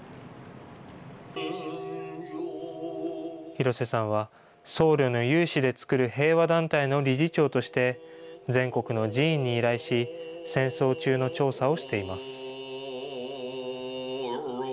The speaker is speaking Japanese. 廣瀬さんは、僧侶の有志でつくる平和団体の理事長として、全国の寺院に依頼し、戦争中の調査をしています。